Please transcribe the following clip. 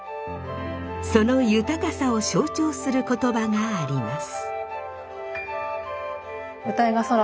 その豊かさを象徴する言葉があります。